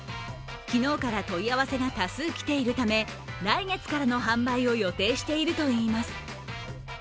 昨日から問い合わせが多数来ているため来月からの販売を予定しているといいます。